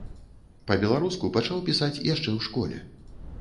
Па-беларуску пачаў пісаць яшчэ ў школе.